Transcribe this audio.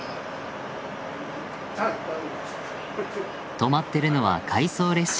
止まってるのは回送列車。